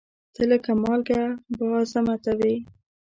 ته لکه مالکه بااعظمته وې